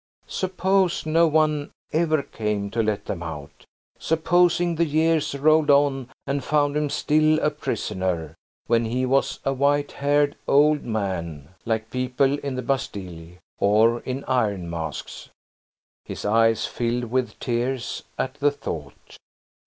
Suppose no one ever came to let them out! Supposing the years rolled on and found him still a prisoner, when he was a white haired old man, like people in the Bastille, or in Iron Masks? His eyes filled with tears at the thought.